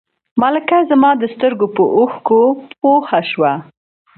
ملکه زما د سترګو په اوښکو پوه شوه.